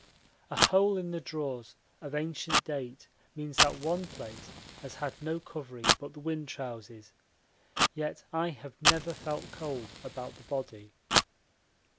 A hole in the drawers of ancient date means that one place has had no covering but the wind trousers, yet I have never felt cold about the body.